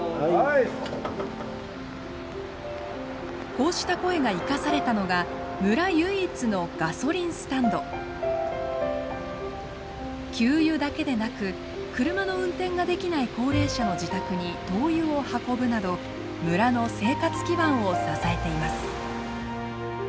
こうした声が生かされたのが給油だけでなく車の運転ができない高齢者の自宅に灯油を運ぶなど村の生活基盤を支えています。